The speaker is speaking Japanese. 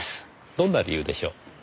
どんな理由でしょう？